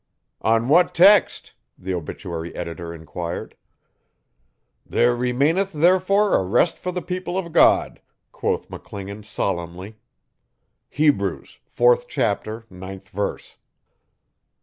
'On what text?' the obituary editor enquired. '"There remaineth therefore, a rest for the people of God,"' quoth McClingan solemnly. 'Hebrews, fourth chapter and ninth verse.'